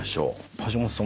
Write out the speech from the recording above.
橋本さん